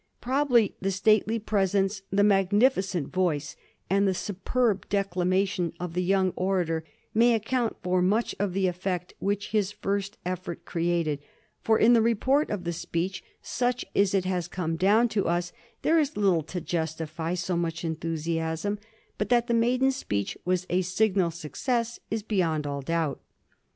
Prob ably the stately presence, the magnificent voice, and the superb declamation of the young orator may account for much of the effect which his first effort created, for in the report of the speech, such as it has come down to us, there is little to justify so much enthusiasm; but that the maiden speech was a signal success is beyond all doubt.